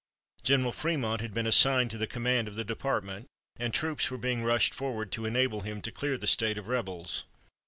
General Frémont had been assigned to the command of the Department, and troops were being rushed forward to enable him to clear the State of rebels.